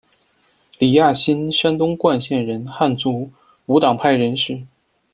李亚新，山东冠县人，汉族，无党派人士。